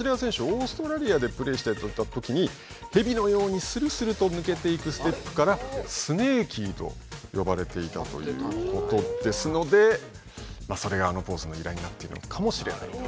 オーストラリアでプレーしていた時に蛇のようにスルスルと抜けていくステップからスネーキーと呼ばれていたということですのでそれがあのポーズの由来になっているのかもしれない。